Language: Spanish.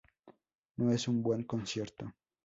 No es un buen concierto.